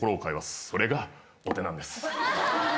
それが「お手」なんです。